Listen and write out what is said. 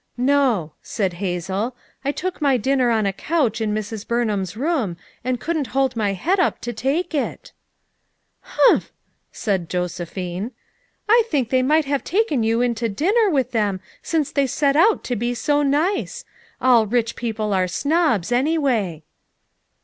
"No," said Hazel, "I took my dinner on a couch in Mrs. Burnham's room, and couldn't hold up my head to take it" "Humph!" said Josephine. "I think they might have taken you in to dinner with them since they set out to be so nice. All rich people are snobs, anyway."